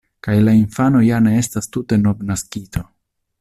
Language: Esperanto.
Kaj la infano ja ne estas tute novnaskito.